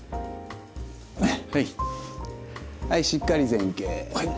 はいしっかり前傾。